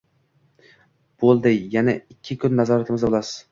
Bo‘ldi, yana ikki kun nazoratimizda bo‘lasiz.